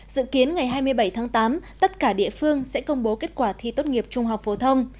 dự kiến ngày hai mươi bảy tháng tám tất cả địa phương sẽ công bố kết quả thi tốt nghiệp trung học phổ thông